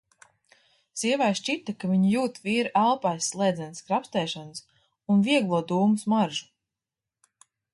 Sievai šķita, ka viņa jūt vīra elpu aiz slēdzenes skrapstēšanas un vieglo dūmu smaržu.